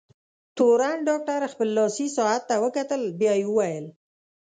تورن ډاکټر خپل لاسي ساعت ته وکتل، بیا یې وویل: